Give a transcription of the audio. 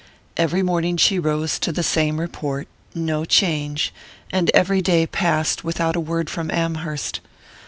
Every morning she rose to the same report "no change" and every day passed without a word from Amherst.